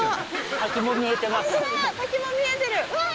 滝も見えてる。